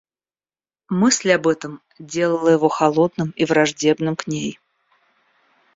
Мысль об этом делала его холодным и враждебным к ней.